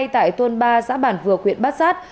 tại tuần ba giã bản vừa huyện bát sát